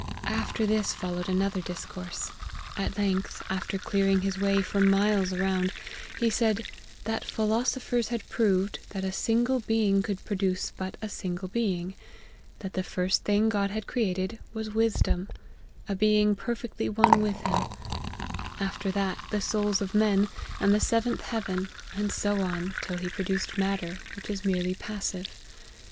After this follow ed another discourse. At length, after clearing his LIFE OF HENRY MARTYN. 145 way for miles around, he said, ' that philosophers had proved, that a single being could produce but a single being ; that the first thing God had created was Wisdom, a being perfectly one with him ; af ter that, the souls of men, and the seventh heaven ; and so on, till he produced matter, which is merely passive.'